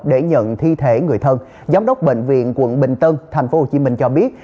để nhận thi thể người thân giám đốc bệnh viện quận bình tân tp hcm cho biết